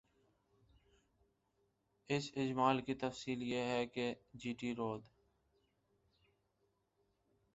اس اجمال کی تفصیل یہ ہے کہ جی ٹی روڈ